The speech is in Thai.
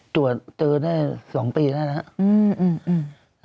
ตรวจเจอได้๒ปีแล้วนะ